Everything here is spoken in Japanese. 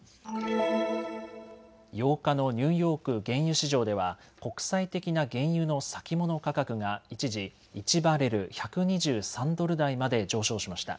８日のニューヨーク原油市場では国際的な原油の先物価格が一時、１バレル１２３ドル台まで上昇しました。